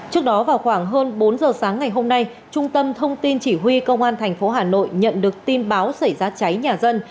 trước đó vào khoảng hơn bốn giờ sáng ngày hôm nay trung tâm thông tin chỉ huy công an tp hà nội nhận được tin báo xảy ra cháy nhà dân